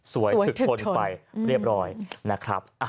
ฉึกทนไปเรียบร้อยนะครับ